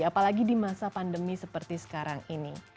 apalagi di masa pandemi seperti sekarang ini